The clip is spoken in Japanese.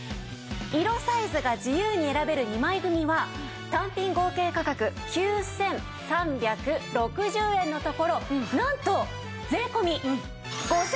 色サイズが自由に選べる２枚組は単品合計価格９３６０円のところなんと税込５９９０円です。